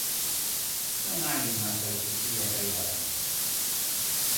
Non hai unha solicitude enriba da mesa.